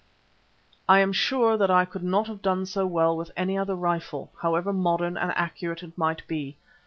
I am sure that I could not have done so well with any other rifle, however modern and accurate it might be.